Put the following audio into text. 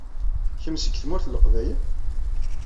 Kemm seg Tmurt n Leqbayel?